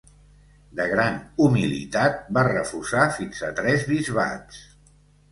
De gran humilitat, va refusar fins a tres bisbats.